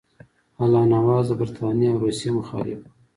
الله نواز د برټانیې او روسیې مخالف وو.